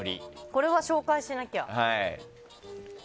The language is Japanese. これは紹介しなきゃ。